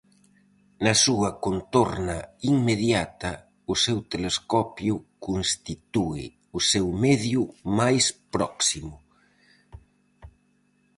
Na súa contorna inmediata, o seu telescopio constitúe o seu medio máis próximo.